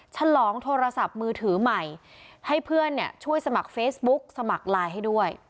ฉลองโทรศัพท์มือถือใหม่ให้เพื่อนเนี่ยช่วยสมัครเฟซบุ๊กสมัครไลน์ให้ด้วย